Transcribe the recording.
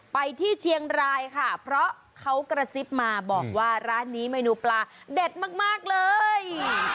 ไปที่เชียงรายค่ะเพราะเขากระซิบมาบอกว่าร้านนี้เมนูปลาเด็ดมากเลย